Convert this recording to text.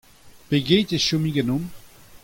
Pegeit e chomi ganeomp ?